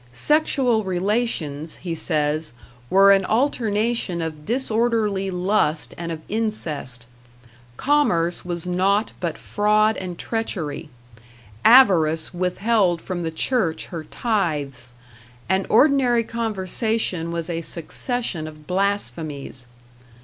Sexual relations, he says, were an alternation of disorderly lust and of incest; commerce was nought but fraud and treachery; avarice withheld from the Church her tithes, and ordinary conversation was a succession of blasphemies.